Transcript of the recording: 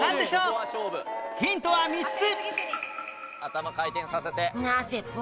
ヒントは３つ